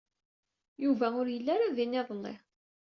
Yuba ur yelli ara din iḍelli.